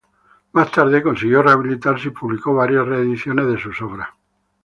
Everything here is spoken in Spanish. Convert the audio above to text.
Más tarde consiguió rehabilitarse y publicó varias reediciones de sus obras.